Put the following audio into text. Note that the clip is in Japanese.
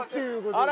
あら。